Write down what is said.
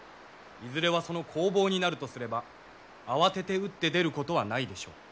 いずれはその攻防になるとすれば慌てて打って出ることはないでしょう。